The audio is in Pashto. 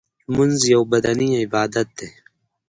لمونځ یو بدنی عبادت دی .